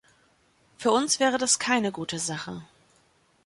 Für uns wäre das keine gute Sache.